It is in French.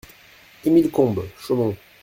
Émile Combes, Chaumont